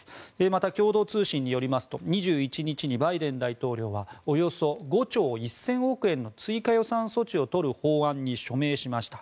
また共同通信によりますと２１日にバイデン大統領はおよそ５兆１０００億円の追加予算措置をとる法案に署名しました。